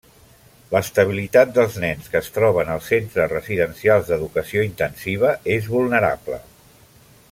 L’estabilitat dels nens que es troben als centres residencials d’educació intensiva és vulnerable.